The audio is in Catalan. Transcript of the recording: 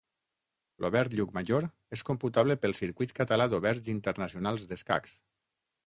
L'Obert Llucmajor és computable pel Circuit Català d'Oberts Internacionals d'Escacs.